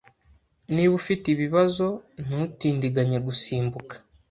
Niba ufite ibibazo, ntutindiganye gusimbuka.